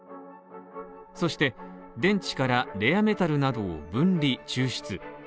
そして、電池からレアメタルなどを分離、抽出。